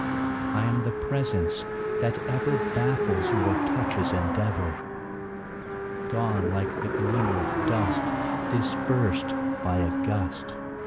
I am the presence that ever Baffles your touch's endeavor, Gone like the glimmer of dust Dispersed by a gust.